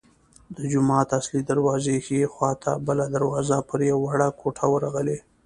د جومات اصلي دروازې ښي خوا ته بله دروازه پر یوه وړه کوټه ورغلې.